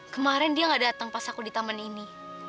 kemarin dia gak datang pas aku di taman ini